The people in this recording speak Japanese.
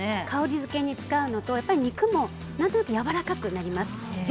香りづけに使うのと肉もなんとなくやわらかくなります。